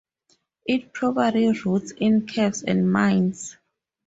It probably roosts in caves and mines.